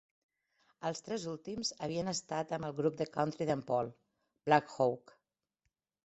Els tres últims havien estat amb el grup de country d'en Paul, BlackHawk.